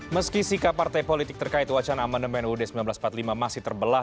meski sikap partai politik terkait wacana amandemen uud seribu sembilan ratus empat puluh lima masih terbelah